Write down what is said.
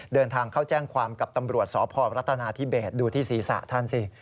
เดินทางเข้าแจ้งความกับตำรวจสพรัฐนาธิเบสดูที่ศีรษะท่านสิ